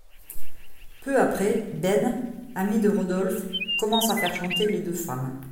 Peu après, Ben, ami de Rodolphe, commence à faire chanter les deux femmes.